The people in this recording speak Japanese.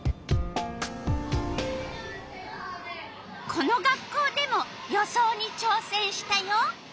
この学校でも予想にちょうせんしたよ。